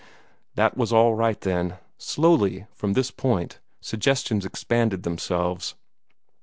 That was all right, then. Slowly, from this point, suggestions expanded themselves.